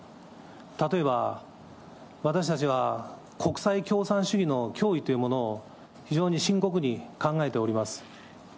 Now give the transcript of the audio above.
例えば、私たちは国際共産主義の脅威というものを非常に深刻に考えております。